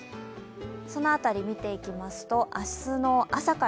その辺り、見ていきますと、明日の朝から。